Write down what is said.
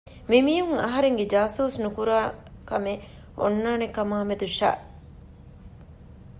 މި މީހުން އަހަރެންގެ ޖާސޫސް ނުކުރާ ކަމެއް އޮންނާނެ ކަމާއި މެދު ޝައްއް